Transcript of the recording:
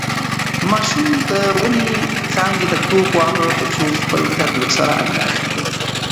ماشوم د ونې څانګې ته ټوپ واهه ترڅو خپله قد ورسره اندازه کړي.